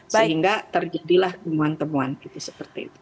sehingga terjadilah temuan temuan gitu seperti itu